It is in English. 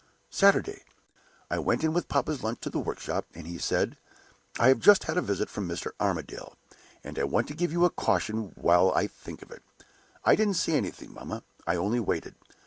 "Saturday. I went in with papa's lunch to the workshop, and he said, 'I have just had a visit from Mr. Armadale; and I want to give you a caution while I think of it.' I didn't say anything, mamma; I only waited.